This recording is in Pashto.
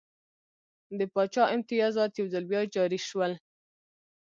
د پاچا امتیازات یو ځل بیا جاري شول.